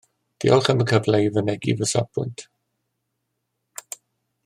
Diolch am y cyfle i fynegi fy safbwynt